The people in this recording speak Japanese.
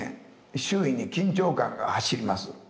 周囲に緊張感が走ります。